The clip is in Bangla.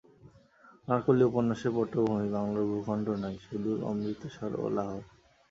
আনারকলি উপন্যাসের পটভূমি বাংলার ভূখণ্ড নয়, সুদূর অমৃতসর ও লাহোর।